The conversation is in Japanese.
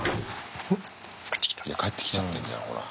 いや帰ってきちゃってんじゃんほら。